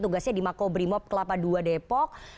tugasnya di makobrimob kelapa ii depok